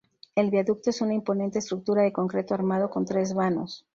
El viaducto es una imponente estructura de concreto armado, con tres vanos.